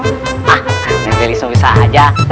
hah neng delis mau bisa aja